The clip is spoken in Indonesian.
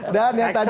dan yang tadi